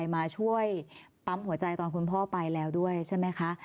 มาช่วยปั๊มหัวใจตอนคุณพ่อไปแล้วด้วยใช่ไหมคะ